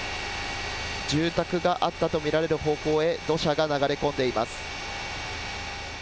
住宅があったと見られる方向へ土砂が流れ込んでいます。